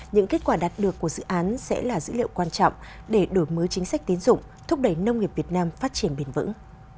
những kết quả đạt được của dự án sẽ là dữ liệu quan trọng để đổi mới chính sách tiến dụng thúc đẩy nông nghiệp việt nam phát triển bền vững